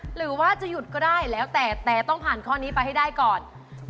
หรือว่าจะหยุดก็ได้แล้วแต่แต่ต้องผ่านข้อนี้ไปให้ได้ก่อน